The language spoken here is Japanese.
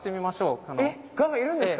蛾がいるんですか？